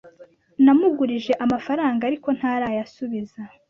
Namugurije amafaranga, ariko ntarayasubiza.